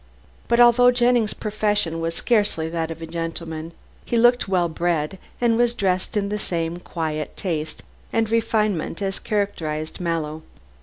But although Jennings' profession was scarcely that of a gentleman, he looked well bred, and was dressed with the same quiet taste and refinement as characterized Mallow.